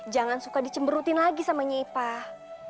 jangan suka dicemberutin lagi sama nyipah